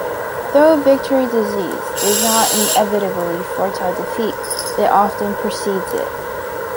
Though "victory disease" does not inevitably foretell defeat, it often precedes it.